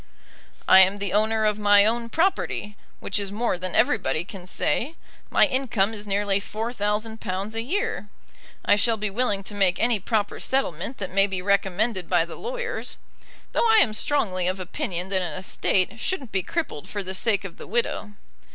I am the owner of my own property, which is more than everybody can say. My income is nearly £4,000 a year. I shall be willing to make any proper settlement that may be recommended by the lawyers, though I am strongly of opinion that an estate shouldn't be crippled for the sake of the widow.